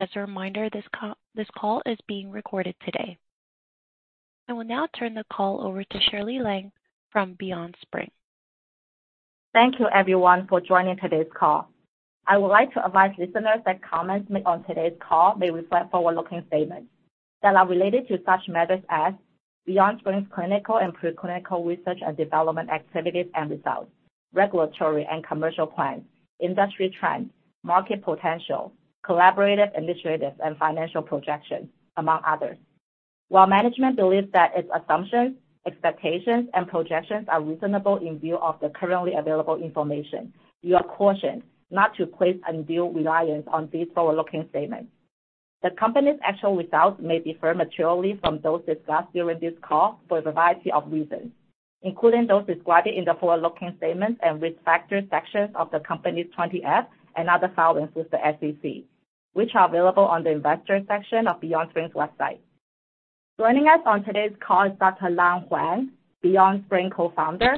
As a reminder, this call, this call is being recorded today. I will now turn the call over to Shirley Liang from BeyondSpring. Thank you everyone for joining today's call. I would like to advise listeners that comments made on today's call may reflect forward-looking statements that are related to such matters as BeyondSpring's clinical and preclinical research and development activities and results, regulatory and commercial plans, industry trends, market potential, collaborative initiatives, and financial projections, among others. While management believes that its assumptions, expectations and projections are reasonable in view of the currently available information, you are cautioned not to place undue reliance on these forward-looking statements. The company's actual results may differ materially from those discussed during this call for a variety of reasons, including those described in the forward-looking statements and risk factor sections of the company's 20-F and other filings with the SEC, which are available on the investor section of BeyondSpring's website. Joining us on today's call is Dr. Lan Huang, BeyondSpring Co-founder,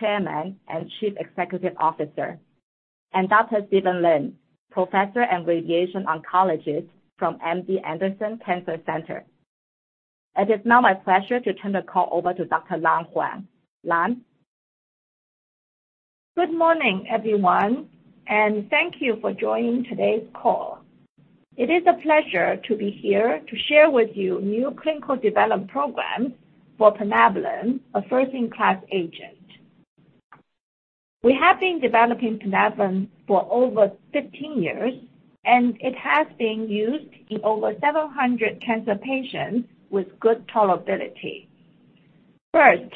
Chairman, and Chief Executive Officer, and Dr. Steven Lin, Professor and Radiation Oncologist from MD Anderson Cancer Center. It is now my pleasure to turn the call over to Dr. Lan Huang. Lan? Good morning everyone, and thank you for joining today's call. It is a pleasure to be here to share with you new clinical development programs for Plinabulin, a first in class agent. We have been developing Plinabulin for over 15 years, and it has been used in over 700 cancer patients with good tolerability. First,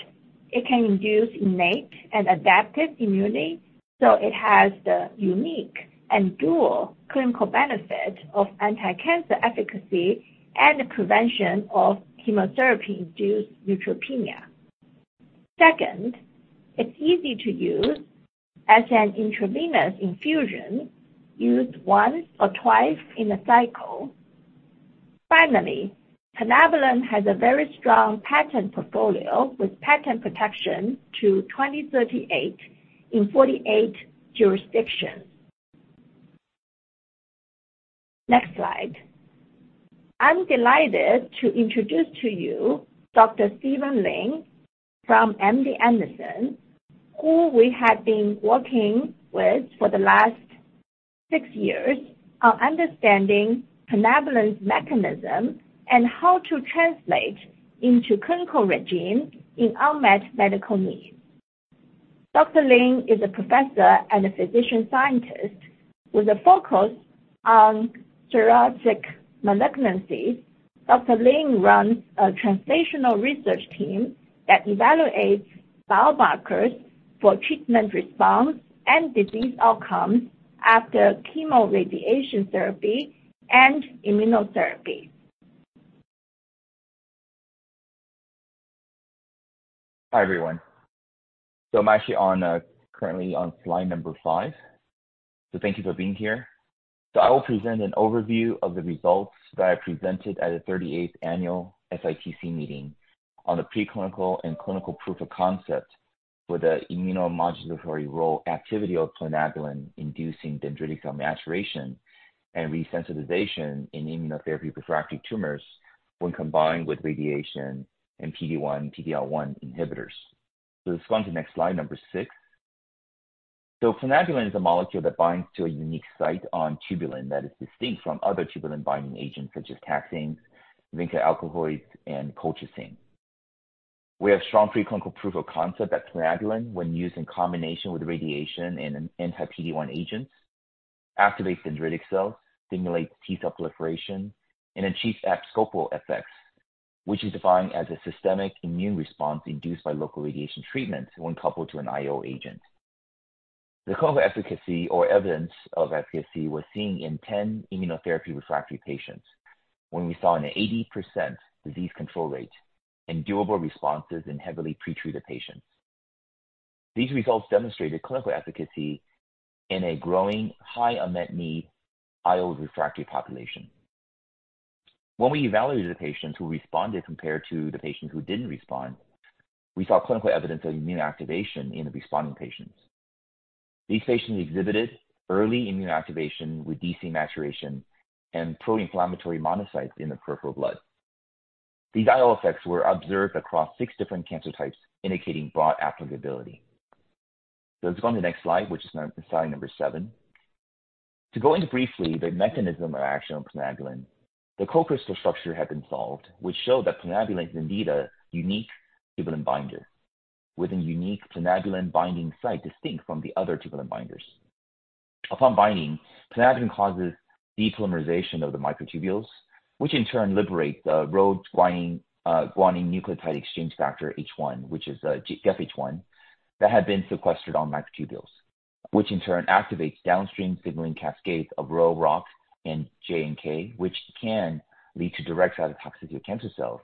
it can induce innate and adaptive immunity, so it has the unique and dual clinical benefit of anti-cancer efficacy and prevention of chemotherapy-induced neutropenia. Second, it's easy to use as an intravenous infusion, used once or twice in a cycle. Finally, Plinabulin has a very strong patent portfolio, with patent protection to 2038 in 48 jurisdictions. Next slide. I'm delighted to introduce to you Dr. Steven Lin from MD Anderson, who we have been working with for the last six years on understanding Plinabulin's mechanism and how to translate into clinical regimen in unmet medical needs. Dr. Lin is a professor and a physician scientist with a focus on thoracic malignancies. Dr. Lin runs a translational research team that evaluates biomarkers for treatment response and disease outcomes after chemoradiation therapy and immunotherapy. Hi, everyone. So I'm actually on, currently on slide number five. So thank you for being here. So I will present an overview of the results that I presented at the 38th annual SITC meeting on the preclinical and clinical proof of concept for the immunomodulatory role activity of Plinabulin, inducing dendritic cell maturation and resensitization in immunotherapy refractory tumors when combined with radiation and PD-1, PD-L1 inhibitors. So let's go on to the next slide, number six. So Plinabulin is a molecule that binds to a unique site on tubulin that is distinct from other tubulin binding agents such as taxanes, vinca alkaloids, and colchicine. We have strong preclinical proof of concept that Plinabulin, when used in combination with radiation and an anti-PD-1 agent, activates dendritic cells, stimulates T cell proliferation, and achieves abscopal effects, which is defined as a systemic immune response induced by local radiation treatments when coupled to an IO agent. The clinical efficacy or evidence of efficacy was seen in 10 immunotherapy refractory patients, when we saw an 80% disease control rate and durable responses in heavily pre-treated patients. These results demonstrated clinical efficacy in a growing, high unmet need IO refractory population. When we evaluated the patients who responded compared to the patients who didn't respond, we saw clinical evidence of immune activation in the responding patients. These patients exhibited early immune activation with DC maturation and pro-inflammatory monocytes in the peripheral blood. These IO effects were observed across six different cancer types, indicating broad applicability. So let's go on to the next slide, which is slide number seven. To go into briefly the mechanism or action of Plinabulin, the co-crystal structure has been solved, which show that Plinabulin is indeed a unique tubulin binder, with a unique Plinabulin binding site distinct from the other tubulin binders. Upon binding, Plinabulin causes depolymerization of the microtubules, which in turn liberate the Rho guanine, guanine nucleotide exchange factor, H1, which is GEF-H1, that had been sequestered on microtubules, which in turn activates downstream signaling cascades of Rho/ROCK and JNK, which can lead to direct cytotoxicity of cancer cells.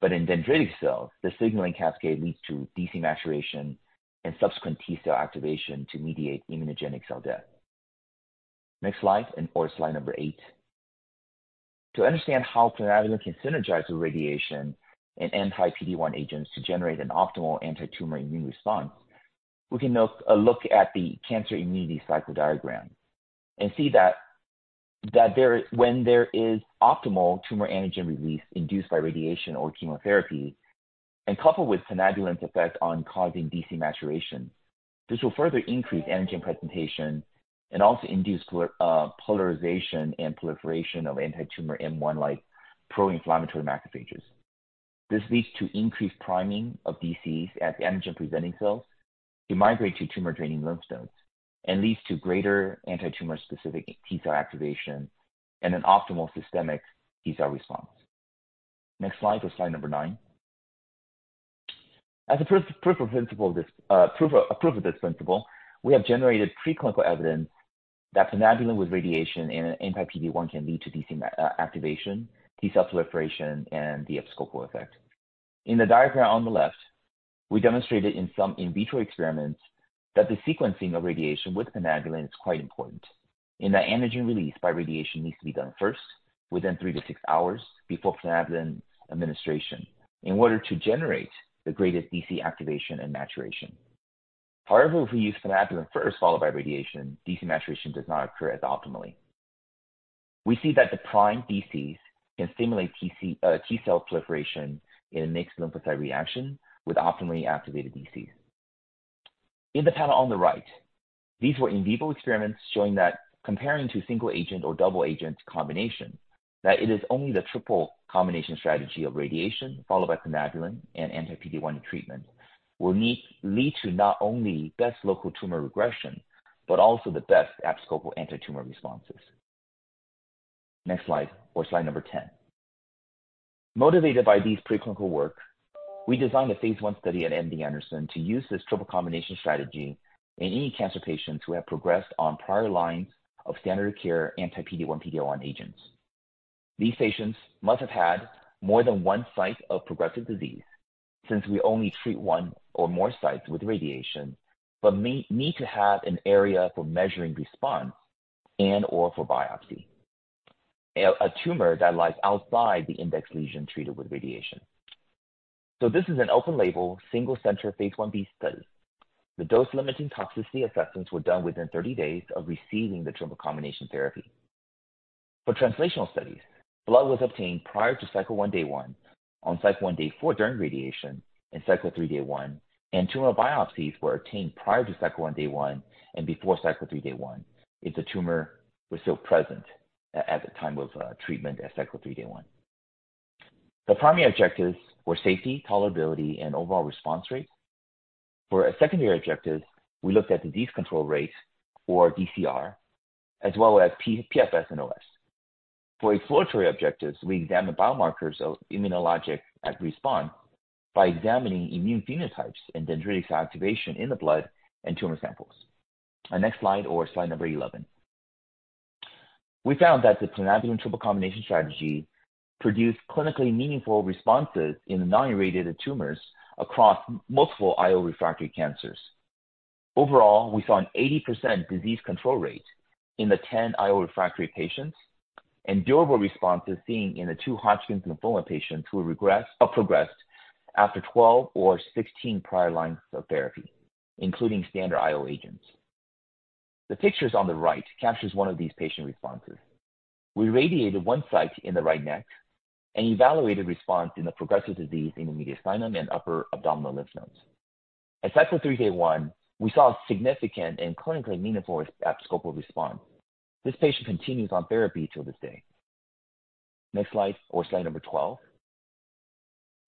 But in dendritic cells, the signaling cascade leads to DC maturation and subsequent T cell activation to mediate immunogenic cell death. Next slide, or slide number 8. To understand how Plinabulin can synergize with radiation and anti-PD-L1 agents to generate an optimal anti-tumor immune response, we can make a look at the cancer immunity cycle diagram and see that when there is optimal tumor antigen release induced by radiation or chemotherapy, and coupled with Plinabulin's effect on causing DC maturation, this will further increase antigen presentation and also induce polarization and proliferation of anti-tumor M1-like pro-inflammatory macrophages. This leads to increased priming of DCs at the antigen-presenting cells to migrate to tumor-draining lymph nodes and leads to greater anti-tumor specific T cell activation and an optimal systemic T cell response. Next slide, or slide number nine. As a proof of principle, we have generated preclinical evidence that Plinabulin with radiation and an anti-PD-1 can lead to DC activation, T cell proliferation, and the abscopal effect. In the diagram on the left, we demonstrated in some in vitro experiments that the sequencing of radiation with Plinabulin is quite important, and that antigen release by radiation needs to be done first, within three-six hours before Plinabulin administration, in order to generate the greatest DC activation and maturation. However, if we use Plinabulin first, followed by radiation, DC maturation does not occur as optimally. We see that the primed DCs can stimulate T cell proliferation in a mixed lymphocyte reaction with optimally activated DCs. In the panel on the right, these were in vivo experiments showing that comparing to single agent or double agent combination, that it is only the triple combination strategy of radiation, followed by Plinabulin and anti-PD-1 treatment, will lead to not only best local tumor regression, but also the best abscopal anti-tumor responses. Next slide, or slide number 10. Motivated by these preclinical work, we designed a phase I study at MD Anderson to use this triple combination strategy in any cancer patients who have progressed on prior lines of standard of care anti-PD-1/PD-L1 agents. These patients must have had more than one site of progressive disease, since we only treat 1 or more sites with radiation, but may need to have an area for measuring response and/or for biopsy: a tumor that lies outside the index lesion treated with radiation. So this is an open label, single center, Phase Ib study. The dose-limiting toxicity assessments were done within 30 days of receiving the triple combination therapy. For translational studies, blood was obtained prior to cycle 1 day one, on cycle 1 day four during radiation, and cycle 3 day 1, and tumor biopsies were obtained prior to cycle 1 day 1, and before cycle 3 day 1, if the tumor was still present at the time of treatment at cycle 3 day 1. The primary objectives were safety, tolerability, and overall response rate. For a secondary objective, we looked at the disease control rate, or DCR, as well as PFS and OS. For exploratory objectives, we examined biomarkers of immunologic response by examining immune phenotypes and dendritic cell activation in the blood and tumor samples. Our next slide, or slide number 11. We found that the Plinabulin triple combination strategy produced clinically meaningful responses in the non-radiated tumors across multiple IO-refractory cancers. Overall, we saw an 80% disease control rate in the 10 IO-refractory patients, and durable responses seen in the two Hodgkin's lymphoma patients who regressed or progressed after 12 or 16 prior lines of therapy, including standard IO agents. The pictures on the right captures one of these patient responses. We radiated one site in the right neck and evaluated response in the progressive disease in the mediastinum and upper abdominal lymph nodes. At cycle three, day one, we saw a significant and clinically meaningful abscopal response. This patient continues on therapy till this day. Next slide, or slide number 12.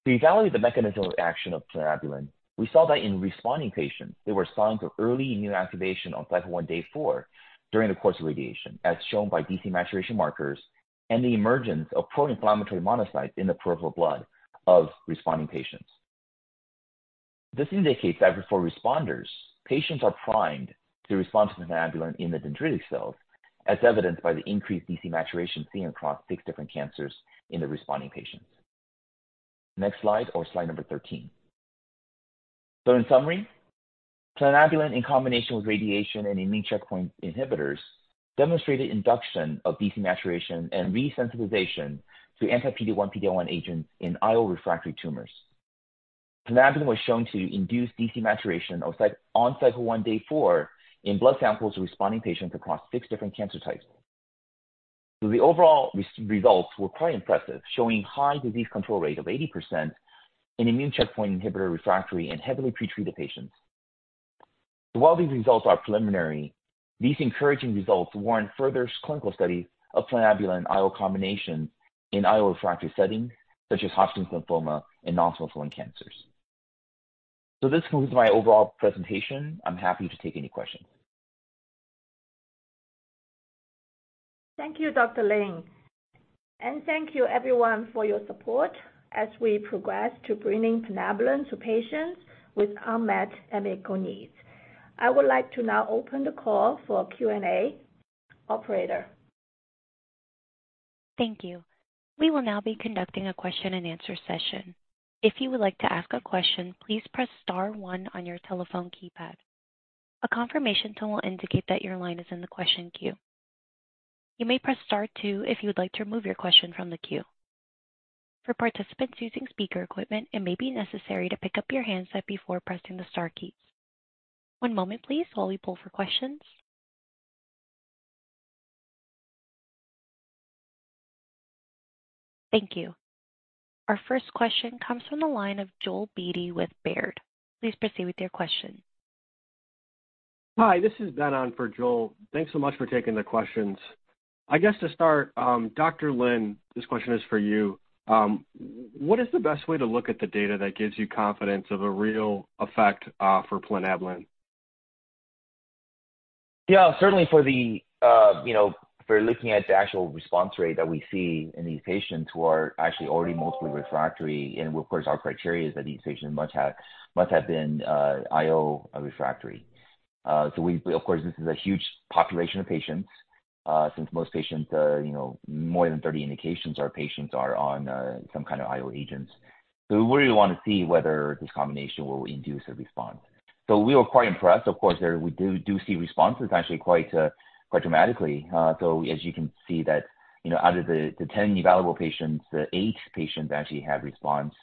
To evaluate the mechanism of action of Plinabulin, we saw that in responding patients, there were signs of early immune activation on cycle 1 day 4, during the course of radiation, as shown by DC maturation markers and the emergence of pro-inflammatory monocytes in the peripheral blood of responding patients. This indicates that before responders, patients are primed to respond to Plinabulin in the dendritic cells, as evidenced by the increased DC maturation seen across six different cancers in the responding patients. Next slide, or slide number 13. So in summary, Plinabulin in combination with radiation and immune checkpoint inhibitors, demonstrated induction of DC maturation and resensitization to anti-PD-1, PD-L1 agents in IO-refractory tumors. Plinabulin was shown to induce DC maturation on cycle 1 day 4, in blood samples of responding patients across six different cancer types. So the overall results were quite impressive, showing high disease control rate of 80% in immune checkpoint inhibitor refractory and heavily pre-treated patients. So while these results are preliminary, these encouraging results warrant further clinical study of Plinabulin IO combination in IO-refractory settings such as Hodgkin's lymphoma and non-Hodgkin cancers. So this concludes my overall presentation. I'm happy to take any questions. Thank you, Dr. Huang. Thank you everyone for your support as we progress to bringing Plinabulin to patients with unmet medical needs. I would like to now open the call for Q&A. Operator? Thank you. We will now be conducting a question and answer session. If you would like to ask a question, please press star one on your telephone keypad. A confirmation tone will indicate that your line is in the question queue. You may press star two if you would like to remove your question from the queue. For participants using speaker equipment, it may be necessary to pick up your handset before pressing the star keys. One moment please while we pull for questions. Thank you. Our first question comes from the line of Joel Beatty with Baird. Please proceed with your question. Hi, this is Ben on for Joel. Thanks so much for taking the questions. I guess to start, Dr. Lin, this question is for you. What is the best way to look at the data that gives you confidence of a real effect, for Plinabulin? Yeah, certainly for the, you know, for looking at the actual response rate that we see in these patients who are actually already mostly refractory, and of course, our criteria is that these patients must have, must have been, IO refractory. So we, of course, this is a huge population of patients, since most patients, you know, more than 30 indications, our patients are on, some kind of IO agents. So we really want to see whether this combination will induce a response. So we were quite impressed. Of course, there we do see responses actually quite, quite dramatically. So as you can see that, you know, out of the, the 10 evaluable patients, the 8 patients actually have response,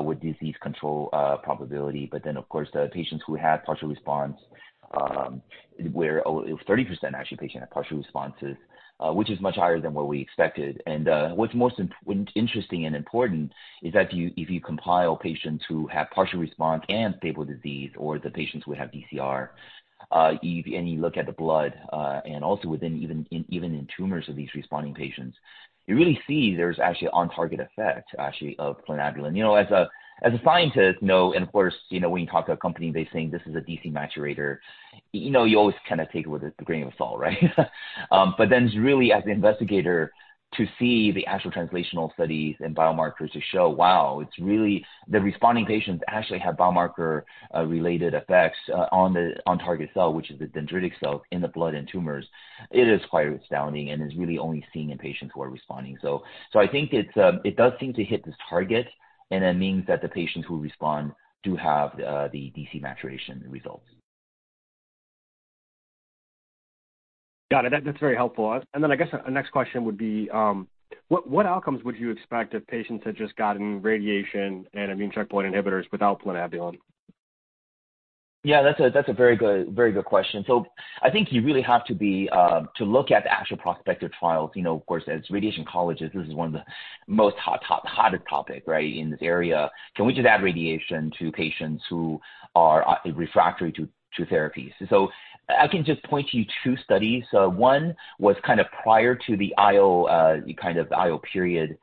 with disease control probability. But then, of course, the patients who had partial response, were over 30% actually patients had partial responses, which is much higher than what we expected. And, what's most interesting and important is that if you, if you compile patients who have partial response and stable disease or the patients who have DCR, and you look at the blood, and also within, even, even in tumors of these responding patients, you really see there's actually a on-target effect, actually, of Plinabulin. You know as a, as a scientist, you know, and of course, you know, when you talk to a company, they're saying this is a DC maturator. You know you always kind of take it with a grain of salt, right? But then really, as the investigator, to see the actual translational studies and biomarkers to show, wow it's really the responding patients actually have biomarker related effects on the on-target cell, which is the dendritic cell in the blood and tumors. It is quite astounding and is really only seen in patients who are responding. So I think it's, it does seem to hit this target, and that means that the patients who respond do have the DC maturation results. Got it. That, that's very helpful. And then I guess our next question would be, what outcomes would you expect if patients had just gotten radiation and immune checkpoint inhibitors without Plinabulin? Yeah that's a, that's a very good, very good question. So I think you really have to be to look at the actual prospective trials. You know, of course, as radiation oncologists, this is one of the hottest topics, right, in this area. Can we just add radiation to patients who are refractory to therapies? So I can just point you to two studies. One was kind of prior to the IO kind of IO period,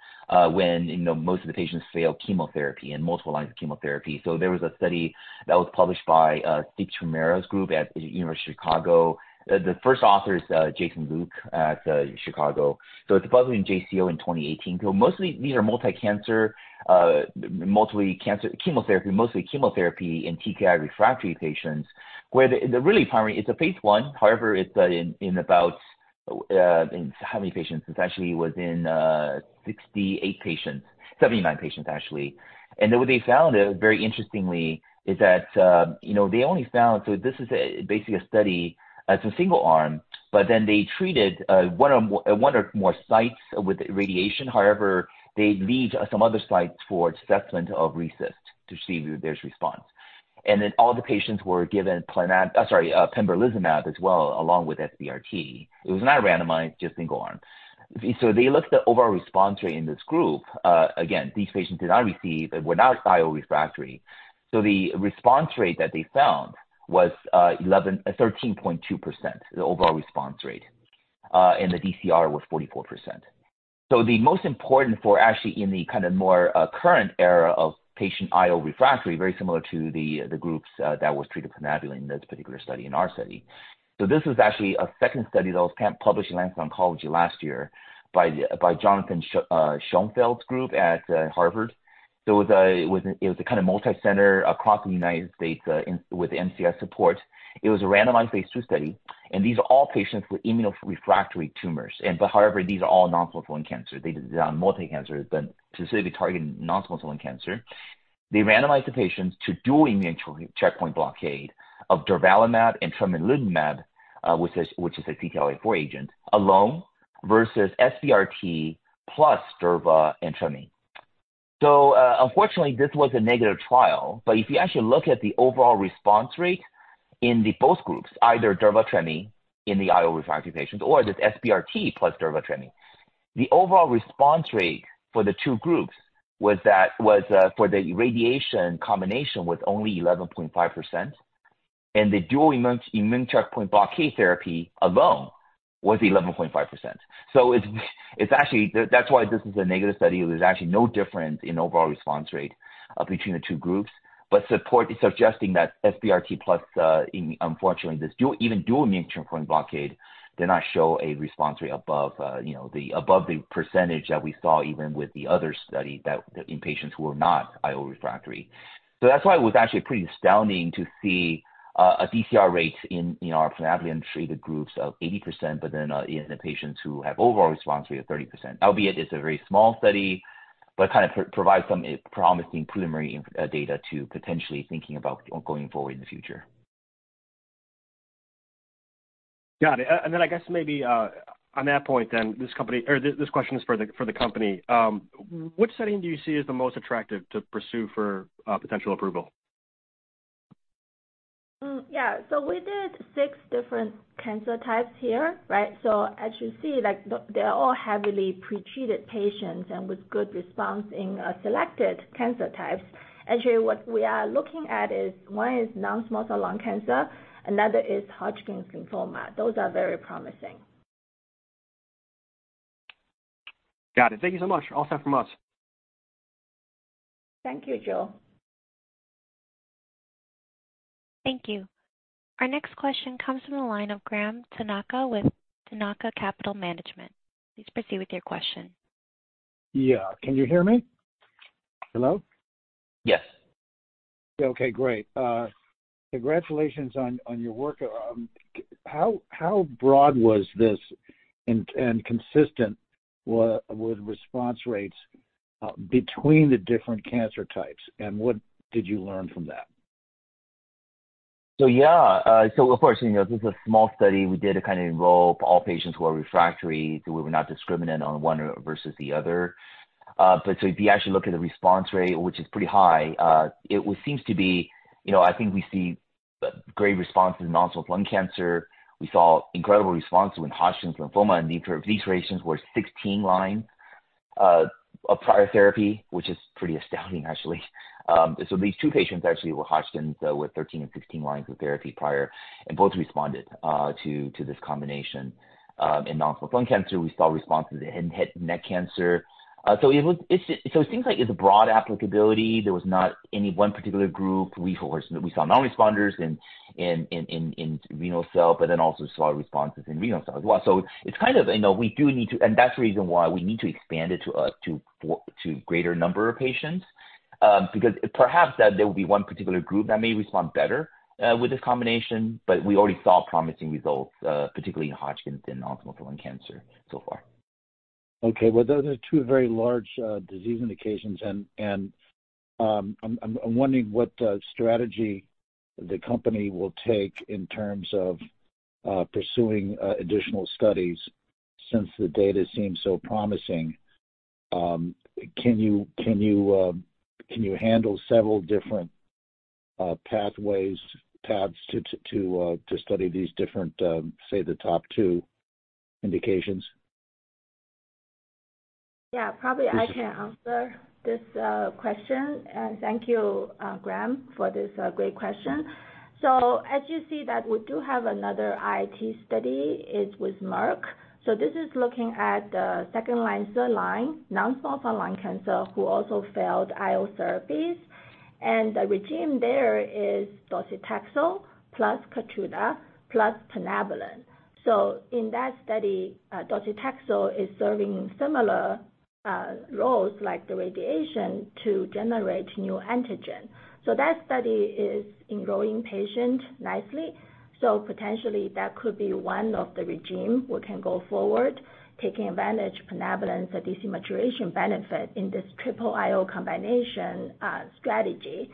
when, you know, most of the patients failed chemotherapy and multiple lines of chemotherapy. So there was a study that was published by Steve Chmura's group at the University of Chicago. The first author is Jason Luke at Chicago. So it's published in JCO in 2018. So mostly these are multi-cancer, multiply cancer, chemotherapy, mostly chemotherapy in TKI refractory patients, where the really primary, it's a phase I, however it's in, in about, how many patients? It's actually within 68 patients, 79 patients, actually. And what they found, very interestingly, is that, you know, they only found. So this is basically a study, it's a single arm, but then they treated one of, one or more sites with radiation. However, they leave some other sites for assessment of distant to see if there's response. And then all the patients were given plina, sorry, pembrolizumab as well, along with SBRT. It was not randomized, just single arm. So they looked at the overall response rate in this group. Again, these patients did not receive, but were not IO refractory. So the response rate that they found was 11, 13.2%, the overall response rate, and the DCR was 44%. So the most important, actually, in the kind of more current era of patient IO refractory, very similar to the groups that was treated Plinabulin in this particular study, in our study. So this is actually a second study that was published in Lancet Oncology last year by Jonathan Schoenfeld's group at Harvard. So it was a kind of multicenter across the United States with NCI support. It was a randomized phase II study, and these are all patients with immuno refractory tumors. And, but however, these are all non-small cell lung cancer. They are multi-cancer, but specifically targeting non-small cell lung cancer. They randomized the patients to dual immune checkpoint blockade of durvalumab and tremelimumab, which is a CTLA-4 agent, alone versus SBRT plus durva and tremi. So, unfortunately, this was a negative trial, but if you actually look at the overall response rate in both groups, either durva/tremi in the IO refractory patients or this SBRT plus durva/tremi, the overall response rate for the two groups was, for the radiation combination was only 11.5%, and the dual immune checkpoint blockade therapy alone was 11.5%. So it's actually that's why this is a negative study. There's actually no difference in overall response rate between the two groups, but support suggesting that SBRT plus, in unfortunately, this dual, even dual immune checkpoint blockade did not show a response rate above, you know, above the percentage that we saw even with the other study that in patients who are not IO refractory. So that's why it was actually pretty astounding to see a DCR rate in our Plinabulin-treated groups of 80%, but then in the patients who have overall response rate of 30%. Albeit, it's a very small study. But kind of provide some promising preliminary data to potentially thinking about going forward in the future. Got it. And then I guess maybe, on that point, then, this company or this, this question is for the, for the company. Which setting do you see as the most attractive to pursue for, potential approval? Yeah, so we did six different cancer types here, right? So as you see, like, the, they're all heavily pretreated patients and with good response in, selected cancer types. Actually, what we are looking at is one is non-small cell lung cancer, another is Hodgkin's lymphoma. Those are very promising. Got it. Thank you so much. All set from us. Thank you, Ben. Thank you. Our next question comes from the line of Graham Tanaka with Tanaka Capital Management. Please proceed with your question. Yeah. Can you hear me? Hello? Yes. Okay, great. Congratulations on your work. How broad was this, and consistent with response rates between the different cancer types, and what did you learn from that? So, yeah. So of course, you know, this is a small study we did to kind of enroll all patients who are refractory, so we were not discriminant on one versus the other. But so if you actually look at the response rate, which is pretty high, it we seems to be, you know, I think we see great response in non-small cell lung cancer. We saw incredible responses in Hodgkin's lymphoma, and these patients were 16 line of prior therapy, which is pretty astounding, actually. So these two patients actually were Hodgkin's with 13 and 16 lines of therapy prior, and both responded to this combination. In non-small cell lung cancer, we saw responses in head and neck cancer. So it looks It's, so it seems like it's a broad applicability. There was not any one particular group. We, of course, we saw non-responders in renal cell, but then also saw responses in renal cell as well. So it's kind of, you know, we do need to, and that's the reason why we need to expand it to greater number of patients. Because perhaps that there will be one particular group that may respond better with this combination, but we already saw promising results, particularly in Hodgkin's and non-small cell lung cancer so far. Okay, well, those are two very large disease indications, and I'm wondering what strategy the company will take in terms of pursuing additional studies since the data seems so promising. Can you handle several different pathways, paths to study these different, say, the top two indications? Yeah, probably I can answer this question. Thank you, Graham, for this great question. As you see that we do have another IIT study, it's with Merck. This is looking at the second line, third line, non-small cell lung cancer, who also failed IO therapies. The regimen there is docetaxel, plus Keytruda, plus Plinabulin. In that study, docetaxel is serving similar roles like the radiation to generate new antigen. That study is enrolling patients nicely. Potentially, that could be one of the regimen we can go forward, taking advantage Plinabulin's DC maturation benefit in this triple IO combination strategy.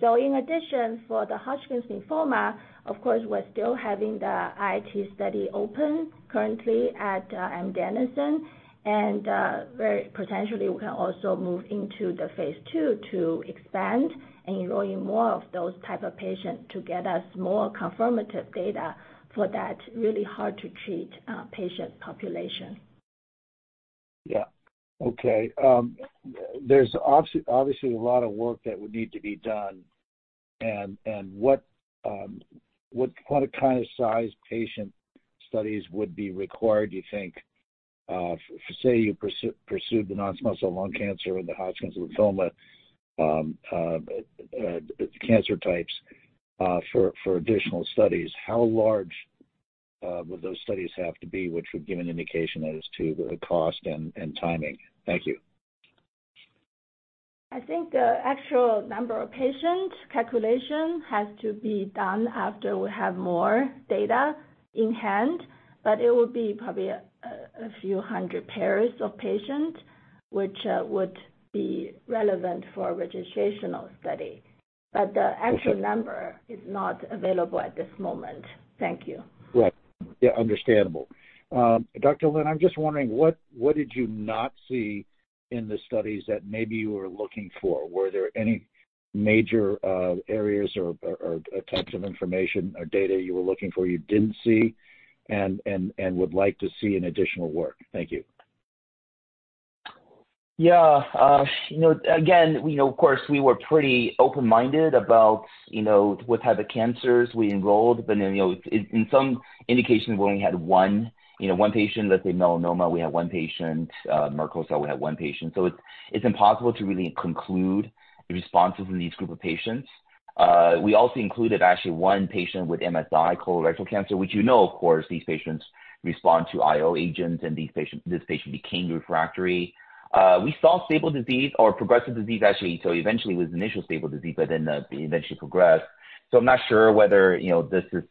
So in addition, for the Hodgkin's lymphoma, of course, we're still having the IIT study open currently at MD Anderson, and very potentially, we can also move into the phase II to expand and enrolling more of those type of patients to get us more confirmative data for that really hard to treat patient population. Yeah. Okay, there's obviously, obviously a lot of work that would need to be done. And what kind of size patient studies would be required, do you think? Say, you pursued the non-small cell lung cancer and the Hodgkin's lymphoma cancer types for additional studies, how large would those studies have to be, which would give an indication as to the cost and timing? Thank you. I think the actual number of patient calculation has to be done after we have more data in hand, but it would be probably a few hundred pairs of patients, which would be relevant for a registrational study. Okay. But the actual number is not available at this moment. Thank you. Right. Yeah, understandable. Dr. Lin, I'm just wondering, what did you not see in the studies that maybe you were looking for? Were there any major areas or types of information or data you were looking for, you didn't see and would like to see in additional work? Thank you. Yeah. You know, again, you know, of course, we were pretty open-minded about, you know, what type of cancers we enrolled, but then, you know, in some indications, we only had one, you know, one patient. Let's say melanoma, we had one patient, Merkel cell, we had one patient. So it's impossible to really conclude the responses in these group of patients. We also included, actually, one patient with MSI colorectal cancer, which, you know, of course, these patients respond to IO agents, and these patients, this patient became refractory. We saw stable disease or progressive disease, actually, so eventually, it was initial stable disease, but then, it eventually progressed. So I'm not sure whether, you know, this is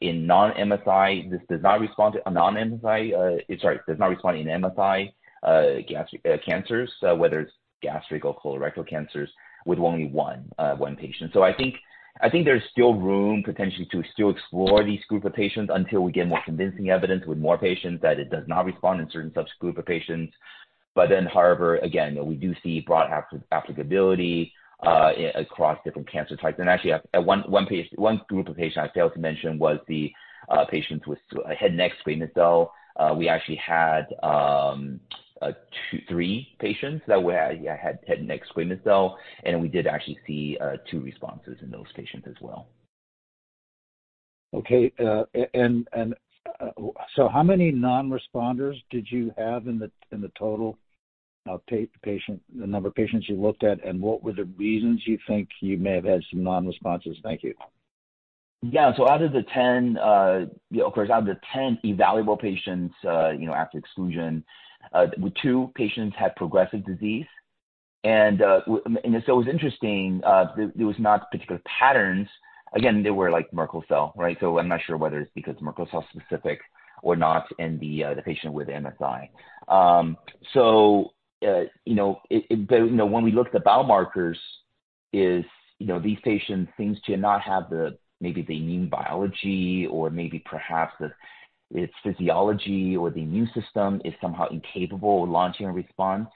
in non-MSI, this does not respond to a non-MSI, sorry, does not respond in MSI gastric cancers, whether it's gastric or colorectal cancers with only one, one patient. So I think, I think there's still room potentially to still explore these group of patients until we get more convincing evidence with more patients that it does not respond in certain subgroups of patients. But then, however, again, we do see broad applicability across different cancer types. And actually, one, one patient, one group of patients I failed to mention was the patients with head and neck squamous cell. We actually had two, three patients that were, yeah, had head and neck squamous cell, and we did actually see two responses in those patients as well. Okay, and so how many non-responders did you have in the total patient, the number of patients you looked at? And what were the reasons you think you may have had some non-responses? Thank you. Yeah. So out of the 10, you know, of course, out of the 10 evaluable patients, you know, after exclusion, two patients had progressive disease. And, and so it was interesting, there was not particular patterns. Again, they were like Merkel cell, right? So I'm not sure whether it's because Merkel cell-specific or not in the, the patient with MSI. So, you know, it, it, you know, when we look at the biomarkers is, you know, these patients seems to not have the maybe the immune biology or maybe perhaps it's, it's physiology or the immune system is somehow incapable of launching a response,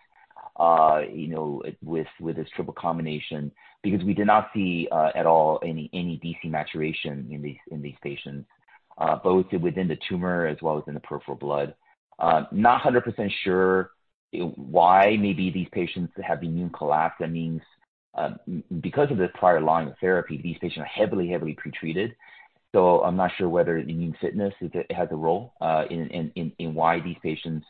you know, with, with this triple combination. Because we did not see, at all any, any DC maturation in these, in these patients, both within the tumor as well as in the peripheral blood. I'm not 100% sure why maybe these patients have immune collapse. That means, because of this prior line of therapy, these patients are heavily, heavily pretreated. So I'm not sure whether the immune fitness has a role in why these patients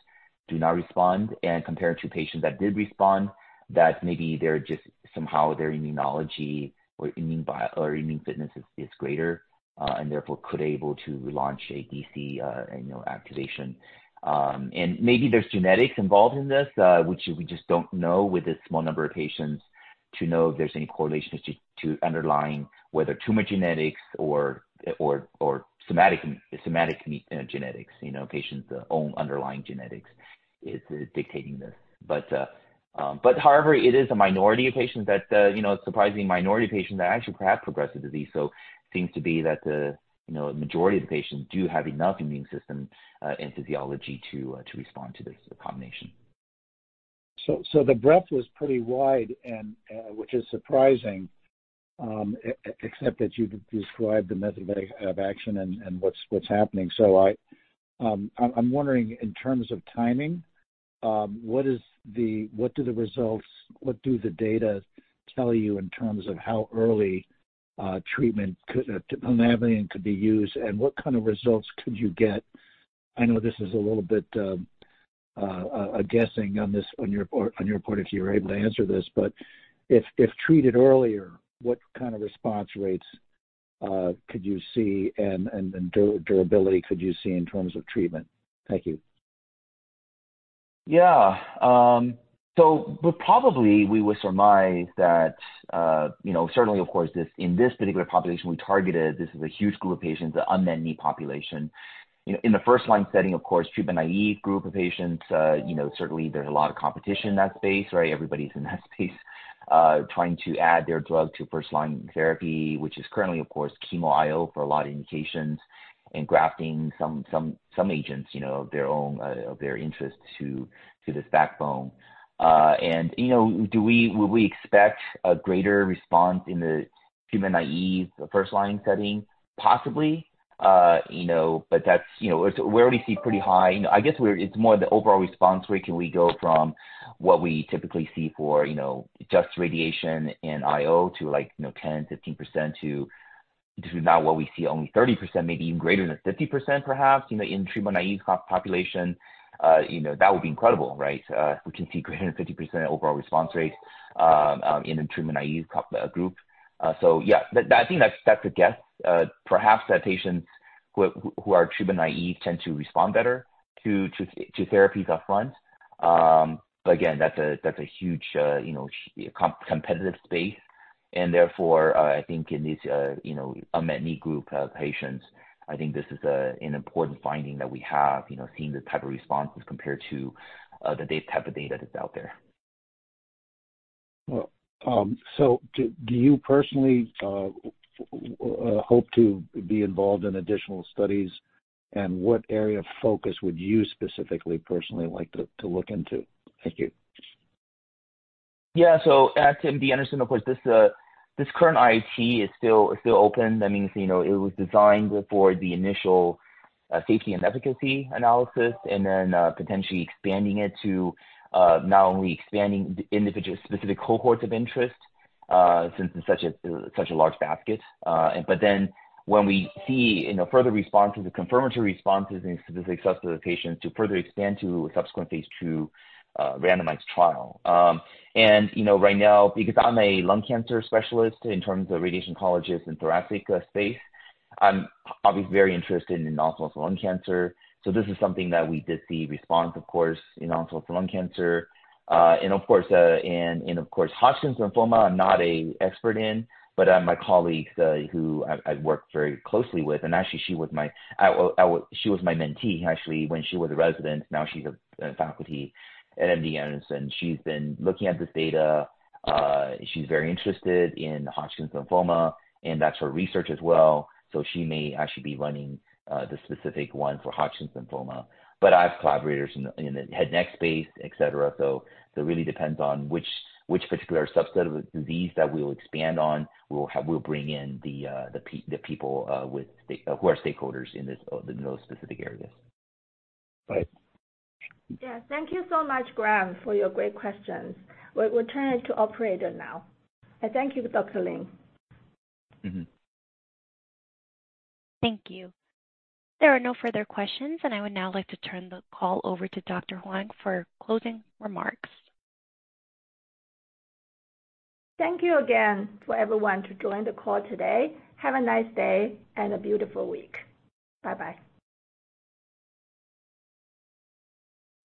do not respond. And compared to patients that did respond, that maybe they're just somehow their immunology or immune bio or immune fitness is greater, and therefore could able to launch a DC, you know, activation. And maybe there's genetics involved in this, which we just don't know, with a small number of patients to know if there's any correlation to underlying whether tumor genetics or somatic genetics, you know, patients' own underlying genetics is dictating this. However, it is a minority of patients that, you know, surprisingly minority of patients that actually perhaps progressive disease. So seems to be that the, you know, majority of the patients do have enough immune system and physiology to respond to this combination. So, the breadth was pretty wide, and, which is surprising, except that you described the method of action and, and what's happening. So I'm wondering in terms of timing, what is the, what do the results, what do the data tell you in terms of how early treatment could, Plinabulin could be used, and what kind of results could you get? I know this is a little bit a guessing on this, on your part, if you're able to answer this, but if treated earlier, what kind of response rates could you see? And, and durability could you see in terms of treatment? Thank you. Yeah. So but probably we would surmise that, you know, certainly, of course, this, in this particular population we targeted, this is a huge group of patients, the unmet need population. You know, in the first-line setting, of course, treatment-naïve group of patients, you know, certainly there's a lot of competition in that space, right? Everybody's in that space, trying to add their drug to first-line therapy, which is currently, of course, chemo IO for a lot of indications and grafting some agents, you know, of their own, of their interest to, to this backbone. And, you know, do we, will we expect a greater response in the treatment-naïve first-line setting? Possibly. You know, but that's, you know, we already see pretty high. You know, I guess we're, it's more the overall response rate. Can we go from what we typically see for, you know, just radiation and IO to like, you know, 10, 15% to, to now what we see only 30%, maybe even greater than 50%, perhaps, you know, in treatment-naïve population. You know, that would be incredible, right? We can see greater than 50% overall response rate, in a treatment-naïve group. So yeah, I think that's, that's a guess. Perhaps that patients who, who are treatment-naïve tend to respond better to, to, to therapies upfront. But again, that's a, that's a huge, you know, competitive space. Therefore, I think in these, you know, unmet need group of patients, I think this is a, an important finding that we have, you know, seeing the type of responses as compared to the data, type of data that's out there. Well, so do you personally hope to be involved in additional studies, and what area of focus would you specifically, personally like to look into? Thank you. Yeah. So at MD Anderson, of course, this, this current IIT is still, is still open. That means, you know, it was designed for the initial, safety and efficacy analysis and then, potentially expanding it to, not only expanding the individual specific cohorts of interest, since it's such a, such a large basket. But then when we see, you know, further responses, the confirmatory responses in specific subset of the patients to further expand to subsequent phase II, randomized trial. And, you know, right now, because I'm a lung cancer specialist in terms of radiation oncologist in thoracic, space, I'm obviously very interested in non-small cell lung cancer. So this is something that we did see response, of course, in non-small cell lung cancer. And of course, Hodgkin's lymphoma, I'm not an expert in, but my colleagues who I've worked very closely with, and actually she was my, well she was my mentee, actually, when she was a resident. Now she's a faculty at MD Anderson. She's been looking at this data. She's very interested in Hodgkin's lymphoma, and that's her research as well. So she may actually be running the specific one for Hodgkin's lymphoma. But I have collaborators in the head, neck space, et cetera. So it really depends on which particular subset of the disease that we'll expand on. We'll bring in the people who are stakeholders in those specific areas. Bye. Yeah. Thank you so much, Graham, for your great questions. We'll turn it to operator now, and thank you, Dr. Lin. Thank you. There are no further questions, and I would now like to turn the call over to Dr. Huang for closing remarks. Thank you again for everyone to join the call today. Have a nice day and a beautiful week. Bye-bye.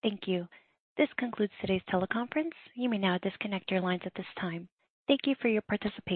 Thank you. This concludes today's teleconference. You may now disconnect your lines at this time. Thank you for your participation.